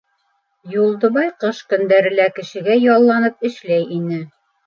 Юлдыбай ҡыш көндәре лә кешегә ялланып эшләй ине.